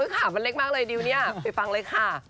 ขามันเล็กมากเลยดิวเนี่ยไปฟังเลยค่ะ